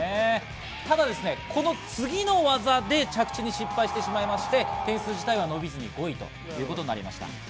ただ、この次の技で着地に失敗してしまいまして、点数自体は伸びずに５位ということになりました。